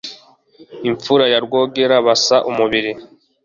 Imfura ya Rwogera basa umubiri